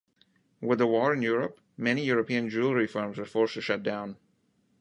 With the war in Europe, many European jewelry firms were forced to shut down.